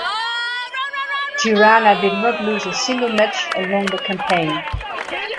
Tirana did not lose a single match along the campaign.